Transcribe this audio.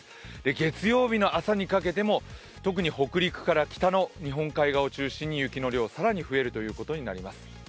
月曜日の朝にかけても、特に北陸から北の日本海側を中心に雪の量、更に増えるということになります。